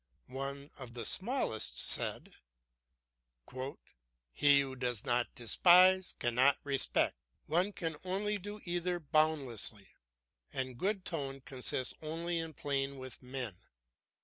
One of the smallest said: "He who does not despise, cannot respect; one can only do either boundlessly, and good tone consists only in playing with men.